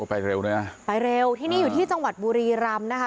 ไปเร็วด้วยนะไปเร็วที่นี่อยู่ที่จังหวัดบุรีรำนะคะ